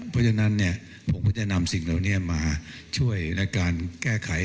เพราะฉะนั้นผมก็จะนำสิ่งเหล่านี้มาช่วยในการแก้ไข